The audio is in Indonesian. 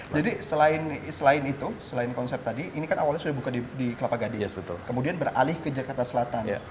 jadi selain konsep tadi ini kan awalnya sudah dibuka di kelapa gadi kemudian beralih ke jakarta selatan